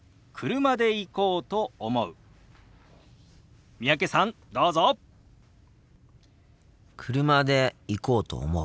車で行こうと思う。